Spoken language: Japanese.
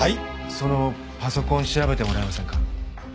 そのパソコン調べてもらえませんか？